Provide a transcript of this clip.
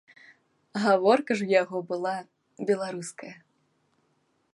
Гаворка ж у яго была беларуская.